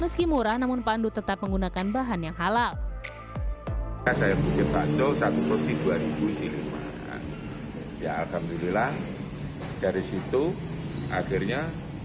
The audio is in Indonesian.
meski murah namun pandu tetap menggunakan bahan yang halal